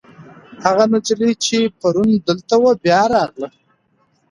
هغه نجلۍ چې پرون دلته وه، بیا راغله.